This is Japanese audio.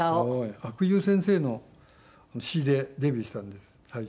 阿久悠先生の詞でデビューしたんです最初。